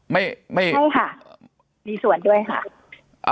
ใช่ค่ะมีส่วนด้วยค่ะ